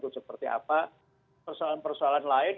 dan persoalan persoalan lain